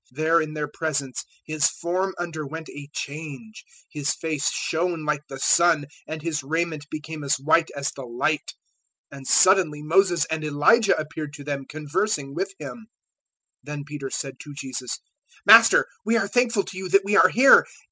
017:002 There in their presence His form underwent a change; His face shone like the sun, and His raiment became as white as the light. 017:003 And suddenly Moses and Elijah appeared to them conversing with Him. 017:004 Then Peter said to Jesus, "Master, we are thankful to you that we are here.